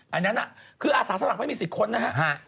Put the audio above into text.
อันนั้นคืออาสาสมัครไม่มีสิทธิ์ค้นนะฮะ